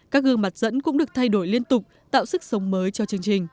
các gương mặt dẫn cũng được thay đổi liên tục tạo sức sống mới cho chương trình